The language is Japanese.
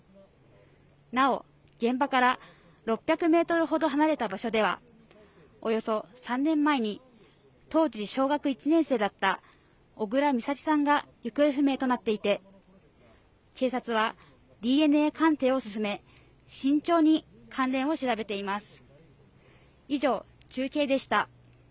なお現場から６００メートルほど離れた場所ではおよそ３年前に当時小学１年生だった小倉美咲さんが行方不明となっていて警察はＤＮＡ鑑定を進め慎重に関連を調べています